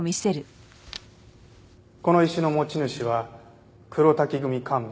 この石の持ち主は黒瀧組幹部金子仁